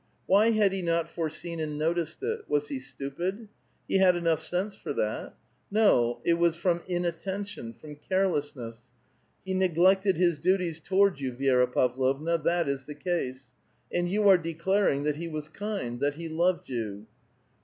Why had he not foreseen and noticed it? Was he stupid? He had enough sense for that. No ; it was from inattention, from carelessness. He neglected his duties toward you, Vi^ra Pavlovna ; that is the case ; and you are declaring that he wns kind, that he loved you."